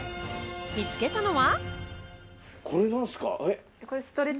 見つけたのは。